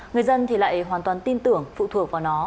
người dân thì lại hoàn toàn tin tưởng phụ thuộc vào nó